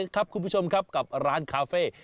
ครับคุณผู้ชมครับกับร้านคาเฟ่